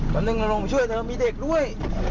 แป๊บนึงลงมาช่วยเธอมีเด็กด้วย